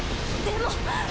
でも！！